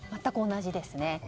全く同じですね。